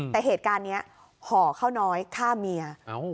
แต่เหตุการณ์นี้ห่อข้าวน้อยฆ่าเมีย